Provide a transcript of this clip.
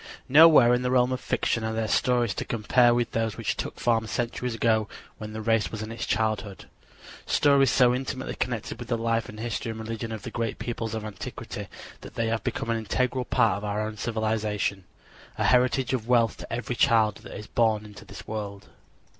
Nowhere in the realm of fiction are there stories to compare with those which took form centuries ago when the race was in its childhood stories so intimately connected with the life and history and religion of the great peoples of antiquity that they have become an integral part of our own civilization, a heritage of wealth to every child that is born into the world.